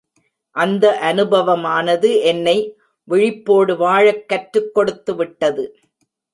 அந்த அனுபவமானது என்னை, விழிப்போடு வாழக் கற்றுக் கொடுத்துவிட்டது,.